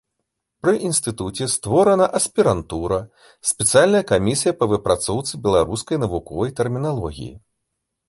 Пры інстытуце створана аспірантура, спецыяльная камісія па выпрацоўцы беларускай навуковай тэрміналогіі.